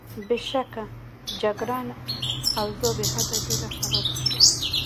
بېشکه، جګړن: اوضاع بېحده ډېره خرابه شوه.